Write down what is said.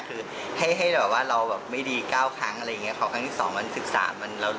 คือให้ให้แบบว่าเราแบบไม่ดี๙ครั้งอะไรอย่างเงี้พอครั้งที่สองมันศึกษามันเรา